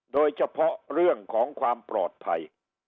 โดยเฉพาะเรื่องของความปลอดภัย